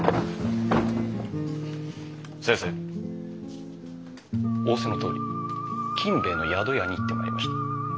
先生仰せのとおり金兵衛の宿屋に行ってまいりました。